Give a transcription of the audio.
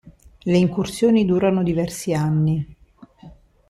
Le incursioni durano diversi anni.